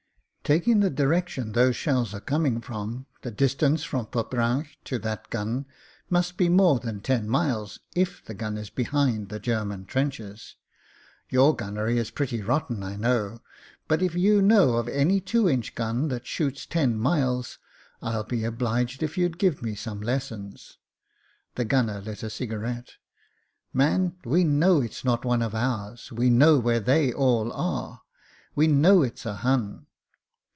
"Taking the direction those shells are coming from, the distance from Poperinghe to that gun must be more than ten miles — ^if the gun is behind the German trenches. Your gunnery is pretty rotten, I know, but if you know of any two inch gun that shoots ten miles, I'll be obliged if you'll give me some lessons." The gunner lit a cigarette. "Man, we know it's not one of ours, we know where they all are; we know it's a Hun."